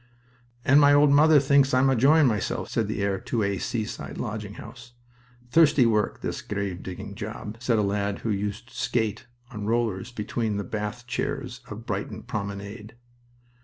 "And my old mother thinks I'm enjoying myself!" said the heir to a seaside lodging house. "Thirsty work, this grave digging job," said a lad who used to skate on rollers between the bath chairs of Brighton promenade.